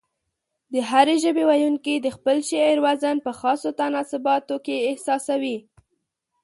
د هرې ژبې ويونکي د خپل شعر وزن په خاصو تناسباتو کې احساسوي.